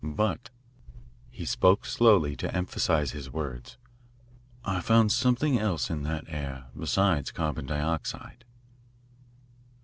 But," he spoke slowly to emphasise his words, " I found something else in that air beside carbon dioxide."